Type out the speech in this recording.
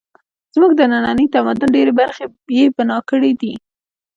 زموږ د ننني تمدن ډېرې برخې یې بنا کړې دي